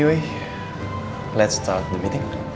mari kita mulai pertemuan